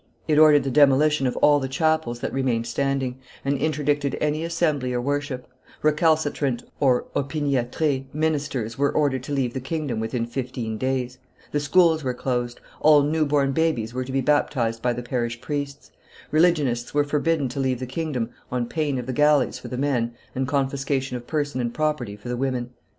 It ordered the demolition of all the chapels that remained standing, and interdicted any assembly or worship; recalcitrant (opiniatres) ministers were ordered to leave the kingdom within fifteen days; the schools were closed; all new born babies were to be baptized by the parish priests; religionists were forbidden to leave the kingdom on pain of the galleys for the men and confiscation of person and property for the women.